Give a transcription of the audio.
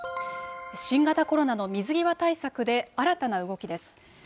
新型コロナの水際対策で新たな動きです。